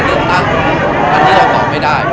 มุมการก็แจ้งแล้วเข้ากลับมานะครับ